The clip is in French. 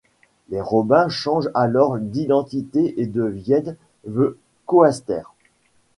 Les Robins changent alors d'identité et deviennent The Coasters.